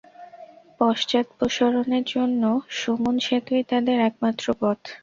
পশ্চাদপসরণের জন্য সুমুন সেতুই তাদের একমাত্র পথ।